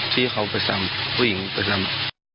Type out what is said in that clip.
ที่เขาเป็นซ้ำผู้หญิงเป็นซ้ำ